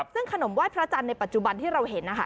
ซึ่งขนมไหว้พระจันทร์ในปัจจุบันที่เราเห็นนะคะ